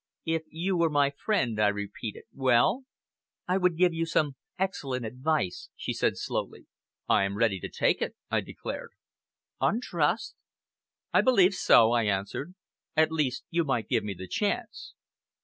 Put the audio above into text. "If you were my friend," I repeated "well?" "I would give you some excellent advice," she said slowly. "I am ready to take it!" I declared. "On trust?" "I believe so," I answered. "At least, you might give me the chance."